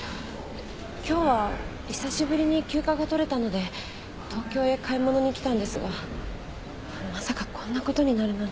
今日は久しぶりに休暇が取れたので東京へ買い物にきたんですがまさかこんな事になるなんて。